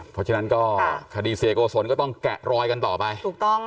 เพราะฉะนั้นก็คดีเสียโกศลก็ต้องแกะรอยกันต่อไปถูกต้อง